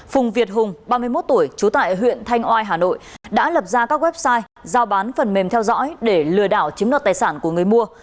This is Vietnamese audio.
phùng việt hùng ba mươi một tuổi trú tại huyện thanh oai hà nội đã lập ra các website giao bán phần mềm theo dõi để lừa đảo chiếm đoạt tài sản của người mua